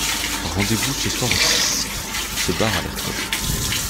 Rendez-vous ce soir au Six, ce bar a l'air top.